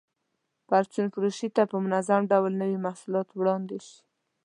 پرچون فروشۍ ته په منظم ډول نوي محصولات وړاندې شي.